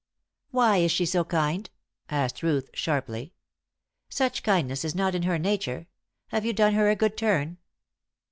"Why is she so kind?" asked Ruth, sharply. "Such kindness is not in her nature. Have you done her a good turn?"